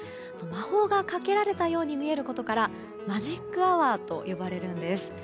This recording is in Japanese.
魔法がかけられたように見えることからマジックアワーと呼ばれるんです。